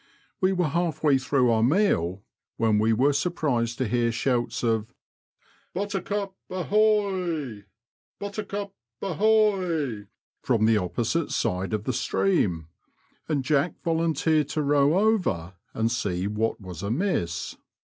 We were half through our meal, when we were surprised to hear shouts of " Butter cup ahoy ! Buttercup ahoy !" from the opposite side of the stream, and Jack volunteered to row over and see what was amiss.